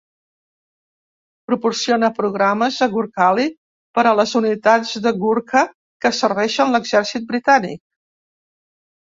Proporciona programes a Gurkhali, per a les unitats de Gurkha que serveixen l'exèrcit britànic.